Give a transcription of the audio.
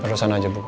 perlu sana aja bu